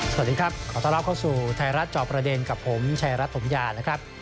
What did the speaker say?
สวัสดีครับขอต้อนรับเข้าสู่ไทยรัฐจอบประเด็นกับผมชายรัฐถมยานะครับ